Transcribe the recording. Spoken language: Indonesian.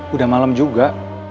udah malem juga